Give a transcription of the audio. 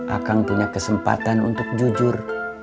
akang punya kesempatan untuk jujur